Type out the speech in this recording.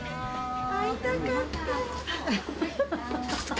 会いたかった。